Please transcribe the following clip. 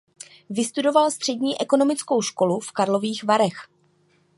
Vystudoval střední ekonomickou školu v Karlových Varech.